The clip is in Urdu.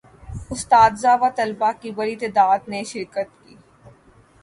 اساتذہ و طلباء کی بڑی تعداد نے شرکت کی